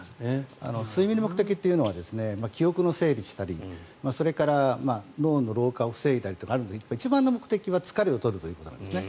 睡眠の目的というのは記憶の整理をしたりそれから脳の老化を防いだりとかあるんですが一番の目的は疲れを取ることなんですね。